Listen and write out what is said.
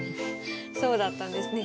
そうだったんですね。